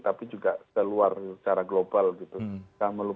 tapi juga seluar secara global gitu